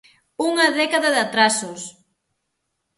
¡Unha década de atrasos!